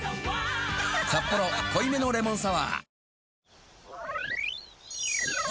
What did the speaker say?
「サッポロ濃いめのレモンサワー」